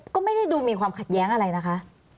ก็ไม่ได้ดูมีความขัดแย้งอะไรนะคะ